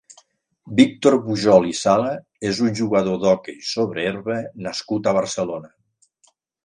Víctor Pujol i Sala és un jugador d'hoquei sobre herba nascut a Barcelona.